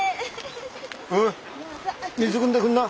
おい水くんでくんな。